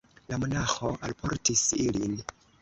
La monaĥo alportis ilin.